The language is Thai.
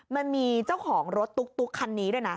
มันมีเจ้าของรถตุ๊กคันนี้ด้วยนะ